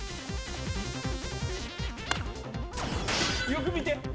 よく見て。